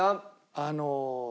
あの。